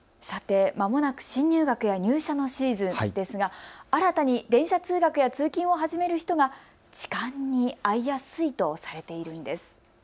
さてまもなく新入学や入社のシーズンですが新たに電車通学や通勤を始める人が痴漢に遭いやすいとされているんです。